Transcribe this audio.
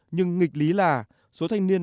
nhưng nghịch lý là số thanh niên